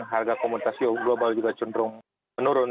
harga komunitas global juga cenderung menurun